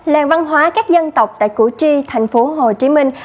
làng văn hóa các dân tộc tại củ chi thành phố hồ chí minh